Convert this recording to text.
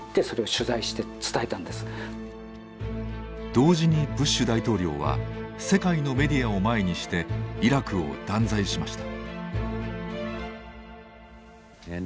同時にブッシュ大統領は世界のメディアを前にしてイラクを断罪しました。